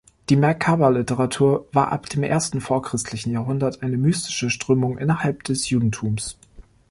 Die Merkaba-Literatur war ab dem ersten vorchristlichen Jahrhundert eine mystische Strömung innerhalb des Judentums.